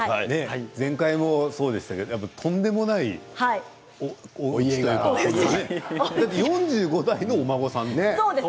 前回もそうでしたけどとんでもないお家柄というか４５代のお孫さん。